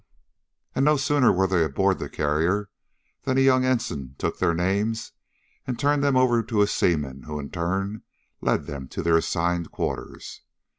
And no sooner were they aboard the carrier than a young ensign took their names, and turned them over to a seaman who in turn led them to their assigned quarters.